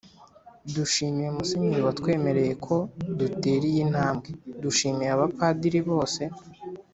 dushimiye musenyeri watwemereye ko dutera iyi ntambwe. dushimiye abapadiri bose